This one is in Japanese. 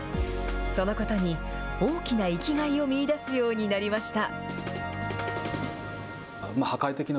そのことに大きな生きがいを見いだすようになりました。